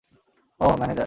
ওহ, manager.